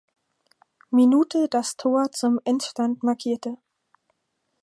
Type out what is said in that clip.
Minute das Tor zum Endstand markierte.